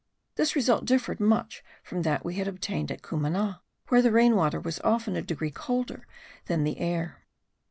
This result differed much from that we had obtained at Cumana, where the rain water was often a degree colder than the air.